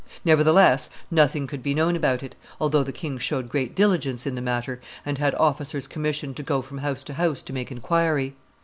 Nevertheless nothing could be known about it, although the king showed great diligence in the matter, and had officers commissioned to go from house to house to make inquiry.